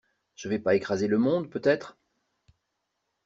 Je vais pas écraser le monde, peut-être?